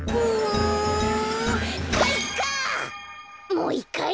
もういっかい！